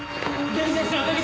出口！